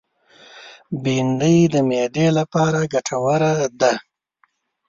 بېنډۍ د معدې لپاره ګټوره ده